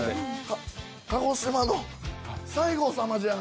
鹿児島の西郷さまじゃ。